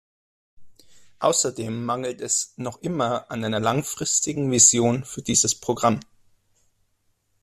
Außerdem mangelt es noch immer an einer langfristigen Vision für dieses Programm.